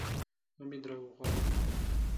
حميد راوغواړه.